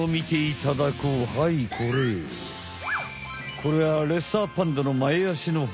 これはレッサーパンダの前あしの骨。